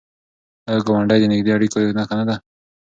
آیا ګاونډی د نږدې اړیکو نښه نه ده؟